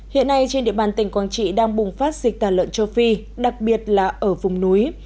hiện nay trên địa bàn tỉnh quảng trị đang bùng phát dịch tà lợn châu phi đặc biệt là ở vùng núi